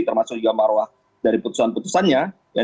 termasuk juga maruah dari putusan putusannya